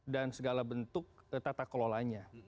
segala bentuk tata kelolanya